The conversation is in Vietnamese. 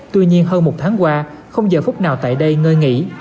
tuy nhiên hơn một tháng qua không giờ phút nào tại đây ngơi nghỉ